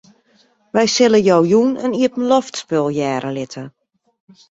Wy sille jo jûn in iepenloftspul hearre litte.